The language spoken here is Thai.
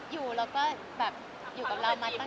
อยู่แล้วก็แบบอยู่กับเรามาตั้ง